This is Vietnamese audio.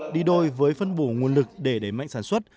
đi đôi với phân bổ nguồn lực để đẩy mạnh sản xuất